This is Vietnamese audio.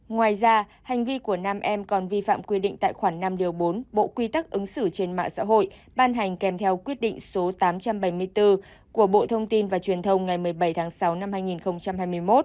ngoài ra hành vi của nam em còn vi phạm quy định tại khoảng năm điều bốn bộ quy tắc ứng xử trên mạng xã hội ban hành kèm theo quyết định số tám trăm bảy mươi bốn của bộ thông tin và truyền thông ngày một mươi bảy tháng sáu năm hai nghìn hai mươi một